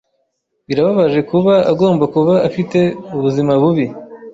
Birababaje kuba agomba kuba afite ubuzima bubi.